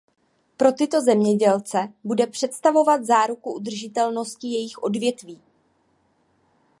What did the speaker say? Pro tyto zemědělce bude představovat záruku udržitelnosti jejich odvětví.